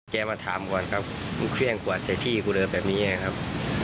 มาถามก่อนครับมึงเครื่องกวาดใส่พี่กูเลยแบบนี้ไงครับ